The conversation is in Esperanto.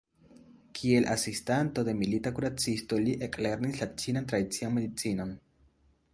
Kiel asistanto de milita kuracisto li eklernis la ĉinan tradician medicinon.